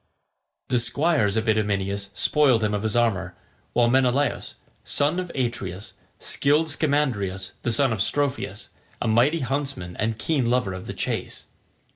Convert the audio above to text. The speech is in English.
The squires of Idomeneus spoiled him of his armour, while Menelaus, son of Atreus, killed Scamandrius the son of Strophius, a mighty huntsman and keen lover of the chase.